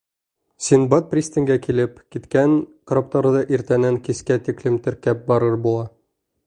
Синдбад пристангә килеп киткән караптарҙы иртәнән кискә тиклем теркәп барыр була.